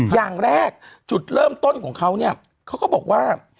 อย่างแรกจุดเริ่มต้นของเขาเนี่ยเขาก็บอกว่า